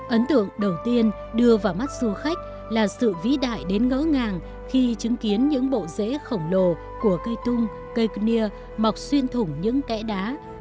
ấn tượng đầu tiên đưa vào mắt du khách là sự vĩ đại đến ngỡ ngàng khi chứng kiến những bộ rễ khổng lồ của cây tung cây nia mọc xuyên thủng những kẽ đá